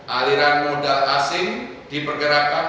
aliran modal asing diperkirakan